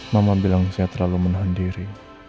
mama bilang saya terlalu menahan diri